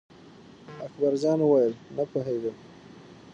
اکبر جان وویل: نه پوهېږم.